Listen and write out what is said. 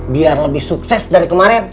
biar lebih sukses dari kemarin